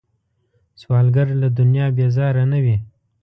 سوالګر له دنیا بیزاره نه وي